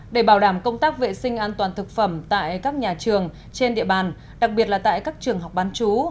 để bảo đảm công tác vệ sinh an toàn thực phẩm tại các nhà trường trên địa bàn đặc biệt là tại các trường học bán chú